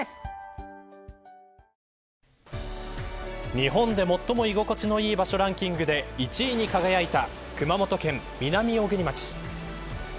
日本で最も居心地のいい場所ランキングで１位に輝いた熊本県南小国町。